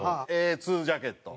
Ａ−２ジャケット